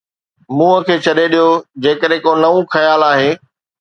منهن کي ڇڏي ڏيو جيڪڏهن ڪو نئون خيال آهي.